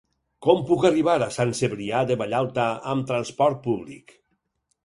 Com puc arribar a Sant Cebrià de Vallalta amb trasport públic?